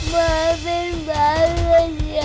mampir balik ya